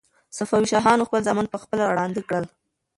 صفوي شاهانو خپل زامن په خپله ړانده کړل.